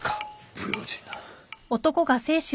不用心な。